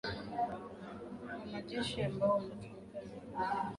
kuna majeshi ambao wanatumika na raia